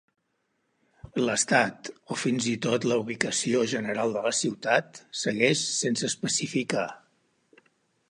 L'estat o fins i tot la ubicació general de la ciutat segueix sense especificar.